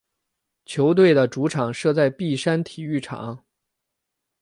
球队的主场设在碧山体育场。